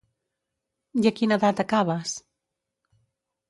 I a quina edat acabes?